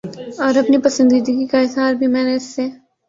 اور اپنی پسندیدگی کا اظہار بھی میں نے اس سے